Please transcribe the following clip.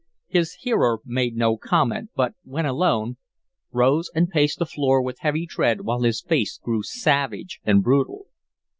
His hearer made no comment, but, when alone, rose and paced the floor with heavy tread while his face grew savage and brutal.